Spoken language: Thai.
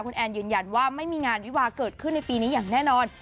คุณแอนยืนยันว่าไม่มีงานวิวาเกิดขึ้นในปีนี้อย่างแน่นอน